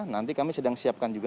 nanti kami sedang siapkan juga